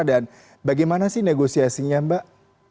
dan bagaimana sih negosiasinya mbak